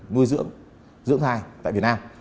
nuôi dưỡng dưỡng thai tại việt nam